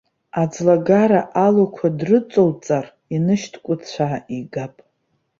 Аӡлагара алуқәа дрыҵоуҵар, инышьҭкәыцәаа игап.